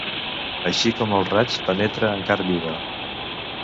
Així com el raig penetra en carn viva.